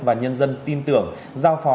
và nhân dân tin tưởng giao phó